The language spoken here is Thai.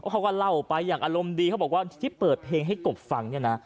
เขาก็เล่าไปอย่างอารมณ์ดีเขาบอกว่าที่เปิดเพลงให้กบฟังเนี่ยนะ